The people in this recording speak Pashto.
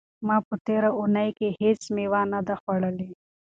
ما په تېره اونۍ کې هیڅ مېوه نه ده خوړلې.